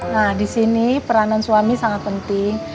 nah di sini peranan suami sangat penting